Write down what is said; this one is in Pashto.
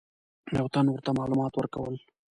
یو تن ورته معلومات ورکول.